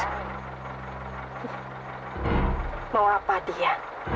mau apa dia